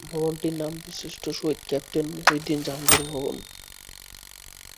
ভবনটির নাম বীরশ্রেষ্ঠ শহীদ ক্যাপ্টেন মহিউদ্দিন জাহাঙ্গীর ভবন।